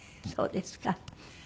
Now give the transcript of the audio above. そうですか。